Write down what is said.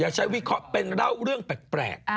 ใช้วิเคราะห์เป็นเล่าเรื่องแปลก